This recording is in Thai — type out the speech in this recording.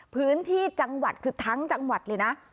พื้นที่จังหวัดคือทั้งจังหวัดเลยนะ